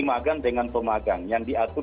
imagan dengan pemagang yang diatur